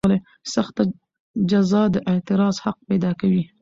سخته جزا د اعتراض حق پیدا کوي.